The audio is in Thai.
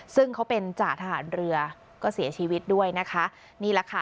ซึ่งเขาเป็นจ่าทหารเรือก็เสียชีวิตด้วยนะคะนี่แหละค่ะ